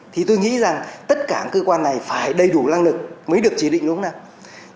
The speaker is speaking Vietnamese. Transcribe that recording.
thì tôi nghĩ rằng tất cả các cơ quan này phải đầy đủ năng lực mới được chỉ định đúng không nào